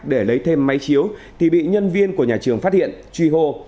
để lấy thêm máy chiếu thì bị nhân viên của nhà trường phát hiện truy hô